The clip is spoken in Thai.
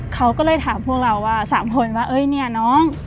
เขาก็เลยถามพวกเราสามคนว่านี่น้อง